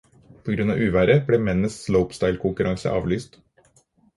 På grunn av uværet ble mennenes slopestylekonkurranse avlyst.